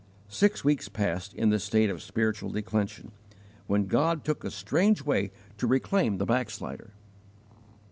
Six weeks passed in this state of spiritual declension, when God took a strange way to reclaim the backslider.